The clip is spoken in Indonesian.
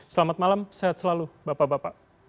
selamat malam sehat selalu bapak bapak